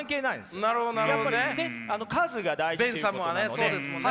そうですもんね。